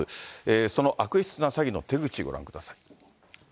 その悪質な詐欺の手口、ご覧ください。